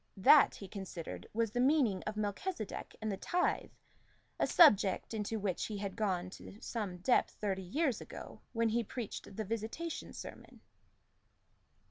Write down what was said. That, he considered, was the meaning of Melchisedec and the tithe, a subject, into which he had gone to some depth thirty years ago, when he preached the Visitation sermon.